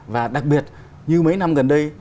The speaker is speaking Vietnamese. và đặc biệt như mấy năm gần đây